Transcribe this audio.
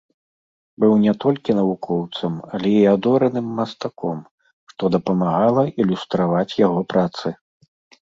Быў не толькі навукоўцам, але і адораным мастаком, што дапамагала ілюстраваць яго працы.